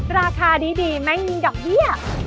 ราคาดีแม่งกับเยี่ยม